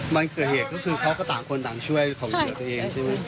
วันเกิดเหตุก็คือเขาก็ต่างคนต่างช่วยของเหลือตัวเองใช่ไหม